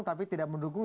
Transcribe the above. tapi tidak mendukung